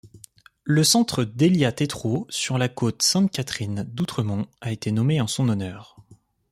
Le centre Délia-Tétreault sur la Côte-Sainte-Catherine d'Outremont a été nommé en son honneur.